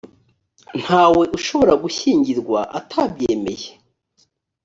ntawe ushobora gushyingirwa atabyemeye